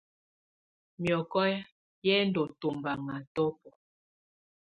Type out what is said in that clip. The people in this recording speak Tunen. Miɔkɔ yɛ ndɔ tɔmbaŋa tɔbɔ.